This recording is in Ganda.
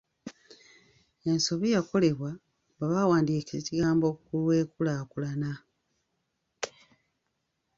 Ensobi yakolebwa bwe baawandiika ekigambo 'kulw’enkulakulana'.